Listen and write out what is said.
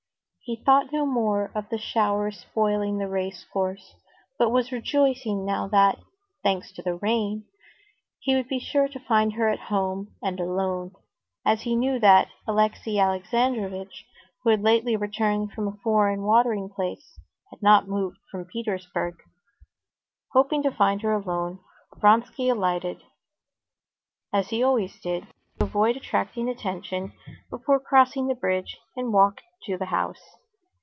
He thought no more of the shower spoiling the race course, but was rejoicing now that—thanks to the rain—he would be sure to find her at home and alone, as he knew that Alexey Alexandrovitch, who had lately returned from a foreign watering place, had not moved from Petersburg. Hoping to find her alone, Vronsky alighted, as he always did, to avoid attracting attention, before crossing the bridge, and walked to the house.